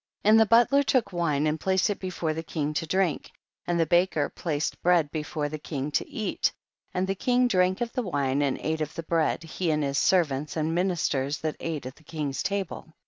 3. And the butler took wine and placed it before the king to drink, and the baker placed bread before the king to eat, and the king drank of the wine and ate of the bread, he and his servants and ministers that ate at the king's table.